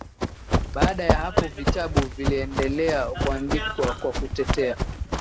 Baada ya hapo vitabu viliendelea kuandikwa kwa kutetea